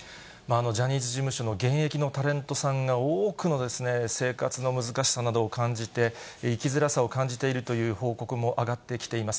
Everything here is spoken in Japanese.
ジャニーズ事務所の現役のタレントさんが多くの生活の難しさなどを感じて、生きづらさを感じているという報告も上がってきています。